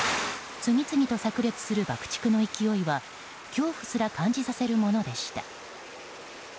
次々と炸裂する爆竹の勢いは恐怖すら感じさせるものでした。